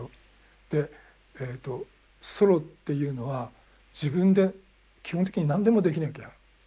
でソロっていうのは自分で基本的に何でもできなきゃいけないわけです。